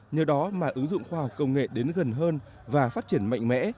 nhờ đó mà ứng dụng khoa học công nghệ đến gần hơn và phát triển mạnh mẽ